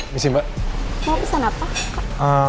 disini mbak mau pesan apa